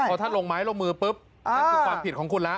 เพราะถ้าลงไม้ลงมือปุ๊บนั่นคือความผิดของคุณละ